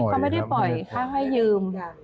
ไม่เขาไม่ได้ปล่อยเขาให้ยืม